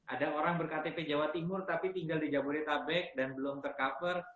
ada orang ber ktp jawa timur tapi tinggal di jabodetabek dan belum ter cover